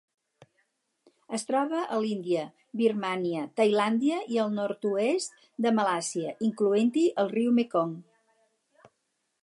Es troba a l'Índia, Birmània, Tailàndia i el nord-oest de Malàisia, incloent-hi el riu Mekong.